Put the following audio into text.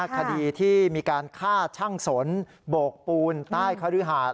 คดีที่มีการฆ่าช่างสนโบกปูนใต้คฤหาด